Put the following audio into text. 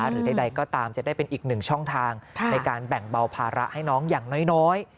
หรือใดก็ตามจะได้เป็นอีกหนึ่งช่องทางในการแบ่งเบาภาระให้น้องอย่างน้อย